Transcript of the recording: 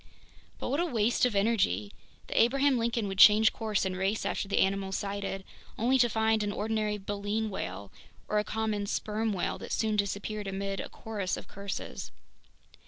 But what a waste of energy! The Abraham Lincoln would change course and race after the animal sighted, only to find an ordinary baleen whale or a common sperm whale that soon disappeared amid a chorus of curses!